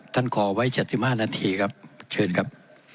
ขอไว้๗๕นาทีครับเชิญครับ